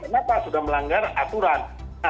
jangan melanggar aturan